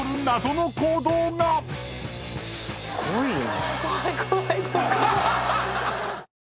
すごいな。